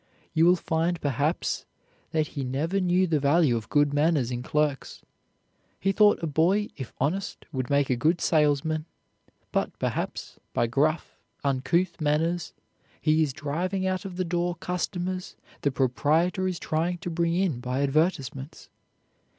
You will find perhaps that he never knew the value of good manners in clerks. He thought a boy, if honest, would make a good salesman; but, perhaps, by gruff, uncouth manners, he is driving out of the door customers the proprietor is trying to bring in by advertisements.